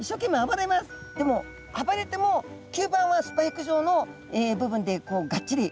でも暴れても吸盤はスパイク状の部分でがっちり。